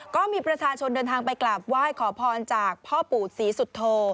ก็มีประชาชนเดินทางไปกราบไหว้ขอพรจากพ่อปู่ศรีสุโธ